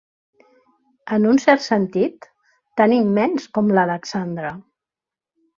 En un cert sentit, tan immens com l'Alexandre.